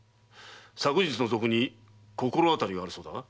昨日の賊に心当たりがあるそうだな？